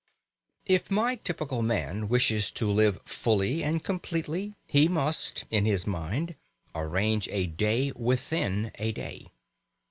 If my typical man wishes to live fully and completely he must, in his mind, arrange a day within a day.